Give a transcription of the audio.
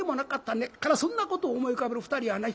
根っからそんなことを思い浮かべる２人やない。